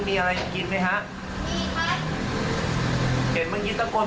มีอะไรกินไหมฮะมีไหมเห็นเมื่อกี้ตะโกน